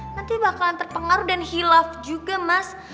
nanti bakalan terpengaruh dan hilaf juga mas